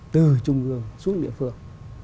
từ trung ương xuống địa phương